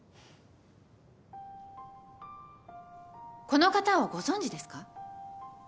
この方をご存じですか？